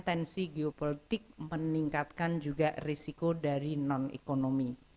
ketika ini krisis geopolitik meningkatkan juga risiko dari non ekonomi